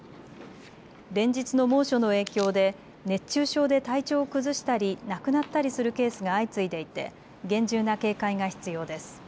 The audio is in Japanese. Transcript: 連日の猛暑の影響で熱中症で体調を崩したり亡くなったりするケースが相次いでいて厳重な警戒が必要です。